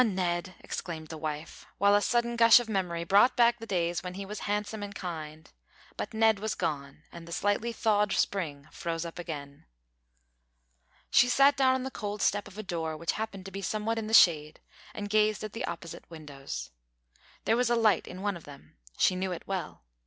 Ned," exclaimed the wife, while a sudden gush of memory brought back the days when he was handsome and kind, but Ned was gone, and the slightly thawed spring froze up again. She sat down on the cold step of a door which happened to be somewhat in the shade, and gazed at the opposite windows. There was a light in one of them. She knew it well.